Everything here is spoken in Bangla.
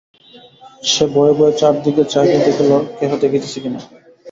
সে ভয়ে ভয়ে চারিদিকে চাহিয়া দেখিল কেহ দেখিতেছে কিনা।